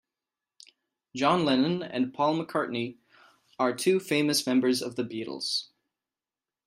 John Lennon and Paul McCartney are two famous members of the Beatles.